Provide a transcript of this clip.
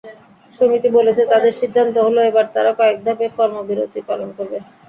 সমিতি বলেছে, তাদের সিদ্ধান্ত হলো এবার তারা কয়েক ধাপে কর্মবিরতি পালন করবে।